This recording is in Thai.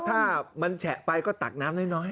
ถ้ามันแฉะไปก็ตักน้ำน้อย